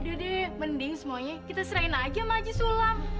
udah deh mending semuanya kita serahin aja sama aja sulam